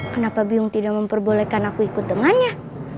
kenapa biung tidak memperbolehkan aku ikut dengannya